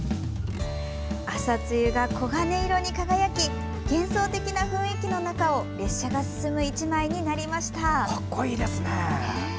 朝露が黄金色に輝き幻想的な雰囲気の中を列車が進む１枚になりました。